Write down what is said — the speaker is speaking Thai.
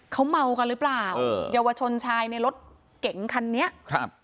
เขาเมากันหรือเปล่าเออเยาวชนชายในรถเก๋งคันนี้ครับ